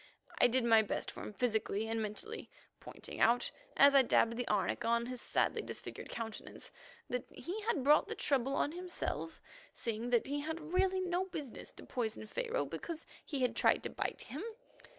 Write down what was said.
I did my best for him physically and mentally, pointing out, as I dabbed the arnica on his sadly disfigured countenance, that he had brought the trouble on himself, seeing that he had really no business to poison Pharaoh because he had tried to bite him.